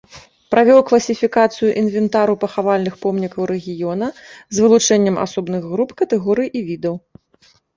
Правёў класіфікацыю інвентару пахавальных помнікаў рэгіёна з вылучэннем асобных груп, катэгорый і відаў.